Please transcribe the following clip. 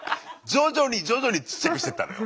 徐々に徐々にちっちゃくしてったのよ。